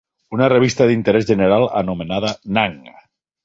Una revista d'interès general anomenada "Nang!"